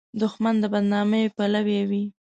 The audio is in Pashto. دښمن د بد نامۍ پلوی وي